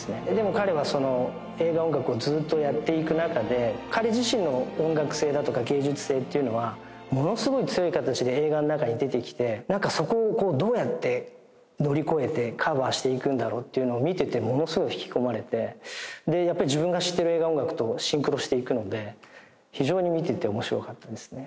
彼はその映画音楽をずっとやっていく中で彼自身の音楽性だとか芸術性っていうのはものすごい強い形で映画の中に出てきてなんかそこをこうどうやって乗り越えてカバーしていくんだろうっていうのを見ていてものすごい引き込まれてでやっぱり自分が知っている映画音楽とシンクロしていくので非常に見ていておもしろかったですね